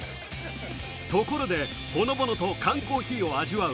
ところで、ほのぼのと缶コーヒーを味わう